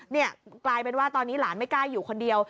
นี่กลายเป็นว่าตอนนี้หลานไม่กล้าอยู่คนเดียว